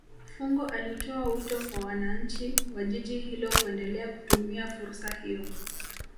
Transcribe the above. Fungo alitoa wito kwa wananchi wa Jiji hilo kuendelea kutumia fursa hiyo